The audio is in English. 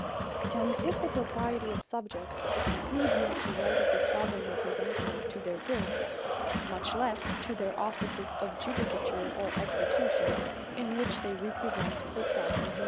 And if the Propriety of Subjects, exclude not the Right of the Soveraign Representative to their Goods; much lesse to their offices of Judicature, or Execution, in which they Represent the Soveraign himselfe.